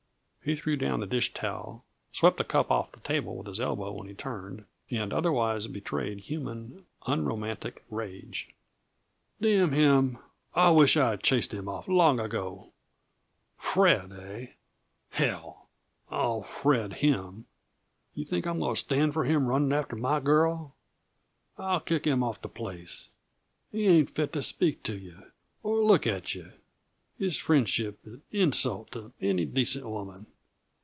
He threw down the dish towel, swept a cup off the table with his elbow when he turned, and otherwise betrayed human, unromantic rage. "Damn him, I wisht I'd chased him off long ago. Fred, eh? Hell! I'll Fred him! Yuh think I'm going to stand for him running after my girl? I'll kick him off the place. He ain't fit to speak to yuh, or look at yuh; his friendship's an insult to any decent woman.